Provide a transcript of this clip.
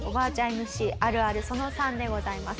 ＭＣあるあるその３でございます。